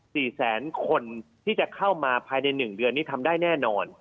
๔แสนคนที่จะเข้ามาภายใน๑เดือนนี่ทำได้แน่นอน